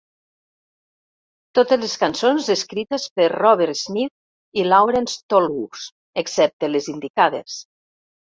Totes les cançons escrites per Robert Smith i Laurence Tolhurst, excepte les indicades.